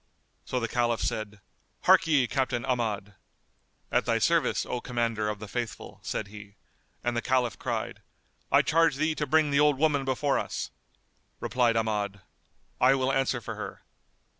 So the Caliph said, "Harkye, Captain Ahmad!" "At thy service, O Commander of the Faithful," said he; and the Caliph cried, "I charge thee to bring the old woman before us." Replied Ahmad, "I will answer for her."